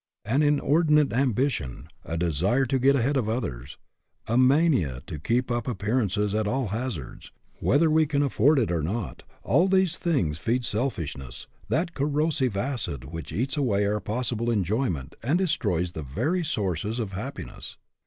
An inordinate ambition, a desire to get ahead of others, a mania to keep up appear ances at all hazards, whether we can afford it or not, all these things feed selfishness, that corrosive acid which eats away our possible enjoyment and destroys the very sources of happiness.